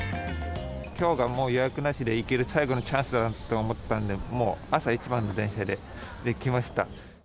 きょうがもう予約なしでいける最後のチャンスだと思ったんで、もう朝一番の電車で来ました。